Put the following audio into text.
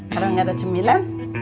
kalau gak ada cemilan